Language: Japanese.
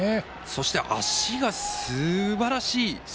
そして、足がすばらしい。